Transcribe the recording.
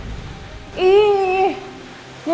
jangan tinggalin aku